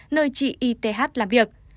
nơi chị y t h làm việc